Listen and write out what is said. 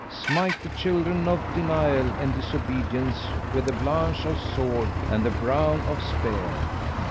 smite the children of denial and disobedience with the blanch of sword and the brown of spear!"